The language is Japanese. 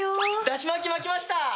だし巻き巻きました！